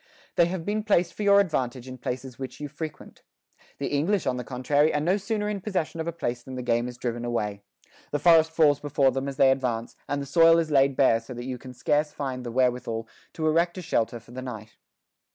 They have been placed for your advantage in places which you frequent. The English, on the contrary, are no sooner in possession of a place than the game is driven away. The forest falls before them as they advance, and the soil is laid bare so that you can scarce find the wherewithal to erect a shelter for the night."